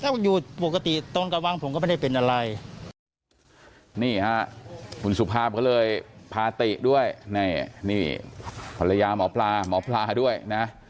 แล้วก็ลิ้นสัมผัสวินญาณเข้าไปดูที่บ้าน